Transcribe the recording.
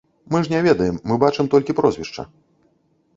Мы ж не ведаем, мы бачым толькі прозвішча.